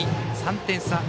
３点差。